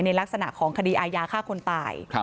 ลักษณะของคดีอาญาฆ่าคนตาย